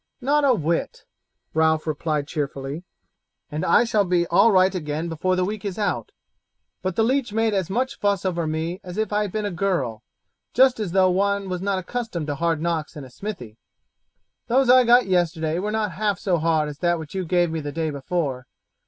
"Not a whit," Ralph replied cheerfully, "and I shall be all right again before the week is out; but the leech made as much fuss over me as if I had been a girl, just as though one was not accustomed to hard knocks in a smithy. Those I got yesterday were not half so hard as that which you gave me the day before.